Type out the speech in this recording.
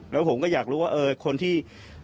แล้วผมก็อยากรู้ว่าคนที่